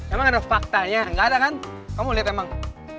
emang ada faktanya gak ada kan kamu liat emang